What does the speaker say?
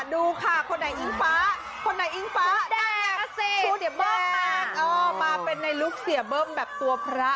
ดูค่ะคนไหนอิงฟ้าคนไหนอิงฟ้ามาเป็นในลุคเสียเบิ้มแบบตัวพระ